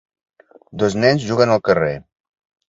Dos nens juguen al carrer